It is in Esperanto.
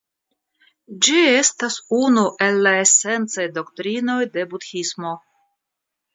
Ĝi estas unu el la esencaj doktrinoj de Budhismo.